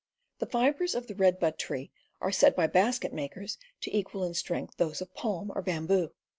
The fibers of the red bud tree are said by basket makers to equal in strength those of palm or bamboo.